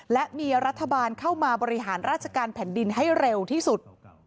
และมีรัฐบาลเข้ามาบริหารราชการแผ่นดินให้เร็วที่สุด